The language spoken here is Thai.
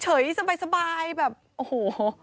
สบายแบบโอ้โห